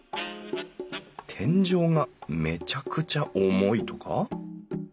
天井がめちゃくちゃ重いとか？